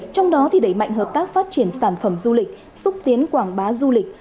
trong đó đẩy mạnh hợp tác phát triển sản phẩm du lịch xúc tiến quảng bá du lịch